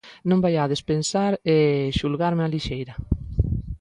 Non vaiades pensar... e xulgarme á lixeira.